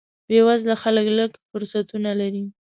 بې وزله خلک لږ فرصتونه لري.